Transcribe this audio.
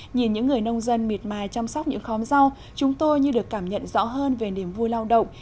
nhìn những người nông dân miệt mài chăm sóc những khóm rau chúng tôi như được cảm nhận rõ hơn về niềm vui lao động